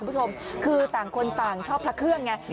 คุณผู้ชมคือต่างคนต่างชอบพระเครื่องไง